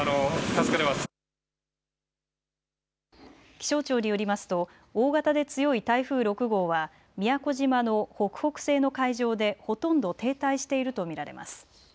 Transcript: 気象庁によりますと大型で強い台風６号は宮古島の北北西の海上でほとんど停滞していると見られます。